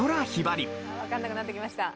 わからなくなってきました。